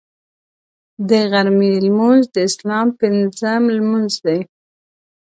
د غرمې لمونځ د اسلام پنځم لمونځ دی